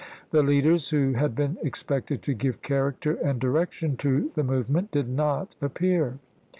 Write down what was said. The leaders who had been expected to give character and direction to the movement did not appear.